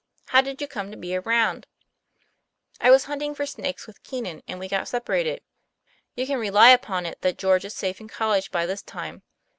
How did you come to be around ?"" I was hunting for snakes with Keenan, and we got separated ; you can rely upon it that George is safe in college by this time.